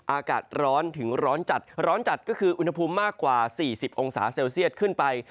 อากาศร้อนถึงร้อนจัดร้อนจัดก็คืออุณหภูมิมากกว่า๔๐องศาเซลเซียตขึ้นไป